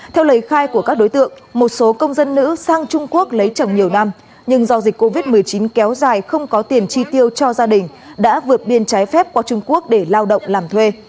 theo lời khai của các đối tượng một số công dân nữ sang trung quốc lấy chồng nhiều năm nhưng do dịch covid một mươi chín kéo dài không có tiền chi tiêu cho gia đình đã vượt biên trái phép qua trung quốc để lao động làm thuê